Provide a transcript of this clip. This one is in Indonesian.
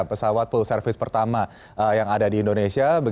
pesawat full service pertama yang ada di indonesia